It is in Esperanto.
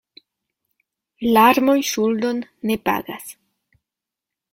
Larmoj ŝuldon ne pagas.